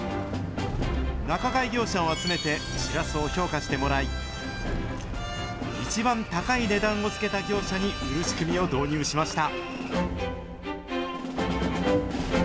仲買業者を集めて、シラスを評価してもらい、一番高い値段をつけた業者に売る仕組みを導入しました。